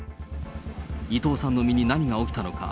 伊藤さんの身に何が起きたのか。